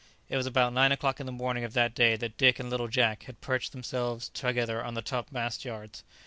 It was about nine o'clock in the morning of that day that Dick and little Jack had perched themselves together on the top mast yards.